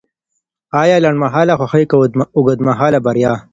ایا لنډمهاله خوښي که اوږدمهاله بریا؟